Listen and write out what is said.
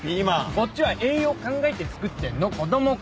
こっちは栄養考えて作ってんの子供か！